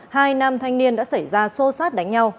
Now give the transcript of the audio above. hai nam thanh niên đã xảy ra xô xát đánh nhau